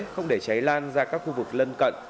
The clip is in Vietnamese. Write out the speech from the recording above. không để cháy lan ra các khu vực lân cận